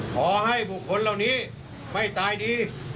ขอให้บุคคลเหล่านี้ไม่ตายดี